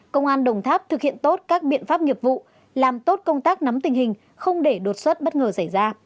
công an đồng tháp thực hiện tốt các biện pháp nghiệp vụ làm tốt công tác nắm tình hình không để đột xuất bất ngờ xảy ra